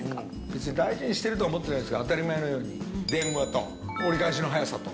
別に大事にしてるとは思ってないですけど、当たり前のように電話と、折り返しの早さと。